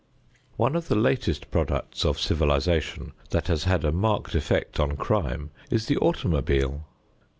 One of the latest products of civilization that has had a marked effect on crime is the automobile.